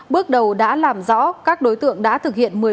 bước đầu đã làm rõ các đối tượng đã thực hiện